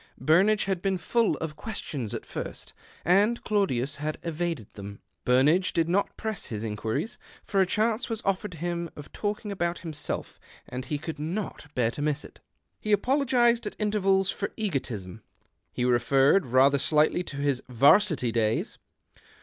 Burnage had been full of questions at first, and Claudius had evaded them. Burnage did not press his inquiries, for a chance was offered him of talking about himself, and he could not bear to miss it. He apologized at 152 THE OCTAVE OF CLAUDIUS. intervals for egotism. He referred rather slightingly to his 'Varsity days.